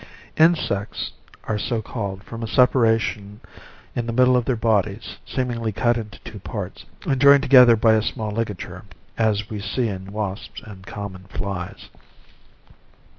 INSECTS are so called from a separation in the middle of their bodies, seemingly cut into two parts, and joined together by a small ligature, as we see in wasps and common flies.